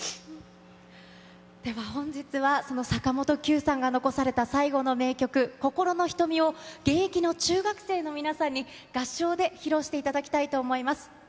では、本日はその坂本九さんが残された最後の名曲、心の瞳を、現役の中学生の皆さんに合唱で披露していただきたいと思います。